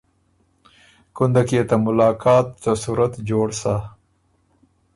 کُندک يې ته ملاقات څه صورت جوړ سَۀ۔